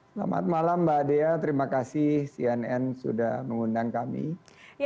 selamat malam mbak dea terima kasih cnn sudah mengundang kami